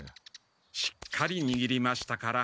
しっかりにぎりましたから。